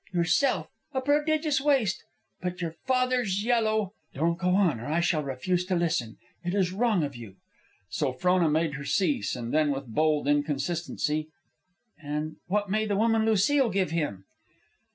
Yourself? A prodigious waste! But your father's yellow " "Don't go on, or I shall refuse to listen. It is wrong of you." So Frona made her cease, and then, with bold inconsistency, "And what may the woman Lucile give him?"